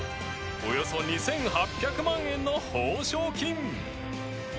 およそ２８００万円の報奨金。